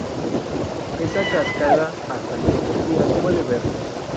Esa cascada hasta nuestros días puede verse.